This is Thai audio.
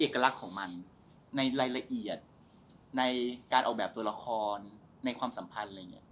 ลักษณ์ของมันในรายละเอียดในการเอาแบบตัวละครในความสัมพันธ์อะไรอย่างนี้